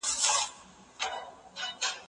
واکسین به د ټولو خلکو لپاره عام شي.